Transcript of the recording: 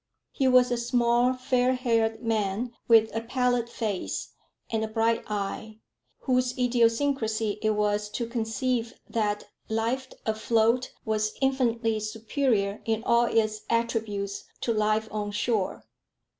He was a small fair haired man, with a pallid face and a bright eye, whose idiosyncrasy it was to conceive that life afloat was infinitely superior in all its attributes to life on shore.